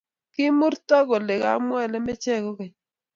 kimurto kole mamwaee lembech kogeny